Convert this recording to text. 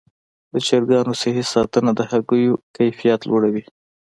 د چرګانو صحي ساتنه د هګیو کیفیت لوړوي.